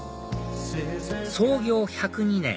創業１０２年